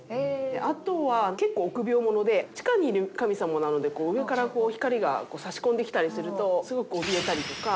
あとは結構臆病者で地下にいる神様なので上から光が差し込んできたりするとすごくおびえたりとか。